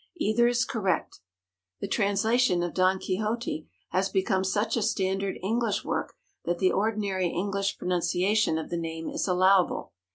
Either is correct. The translation of Don Quixote has become such a standard English work that the ordinary English pronunciation of the name is allowable.